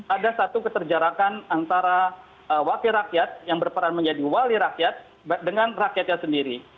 ada satu keterjarakan antara wakil rakyat yang berperan menjadi wali rakyat dengan rakyatnya sendiri